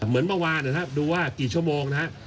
เหมือนเมื่อวานนะครับดูว่ากี่ชั่วโมงนะครับ